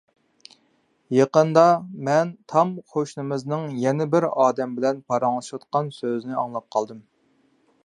يېقىندا مەن تام قوشنىمىزنىڭ يەنە بىر ئادەم بىلەن پاراڭلىشىۋاتقان سۆزىنى ئاڭلاپ قالدىم.